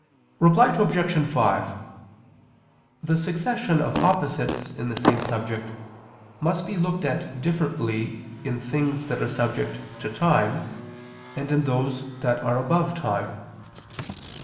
Reply Obj. 5: The succession of opposites in the same subject must be looked at differently in the things that are subject to time and in those that are above time.